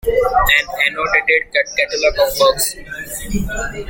An Annotated Catalogue of Works.